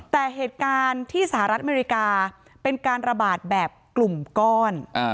แต่เหตุการณ์ที่สหรัฐอเมริกาเป็นการระบาดแบบกลุ่มก้อน